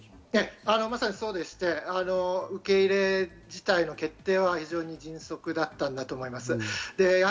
まさにそうでして、受け入れ自体の決定は迅速だったんだと思います。